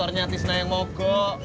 motornya cimutnya yang mogok